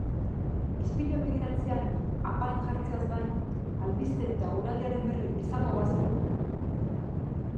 Ispilua begiratzean apain jartzeaz gain, albisteen eta eguraldiaren berri izango bazenu?